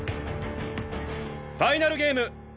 ファイナルゲーム。